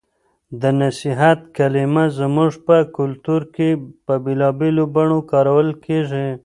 د نصیب کلمه زموږ په کلتور کې په بېلابېلو بڼو کارول کېږي.